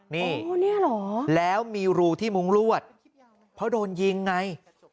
นี่เหรอแล้วมีรูที่มุ้งลวดเพราะโดนยิงไง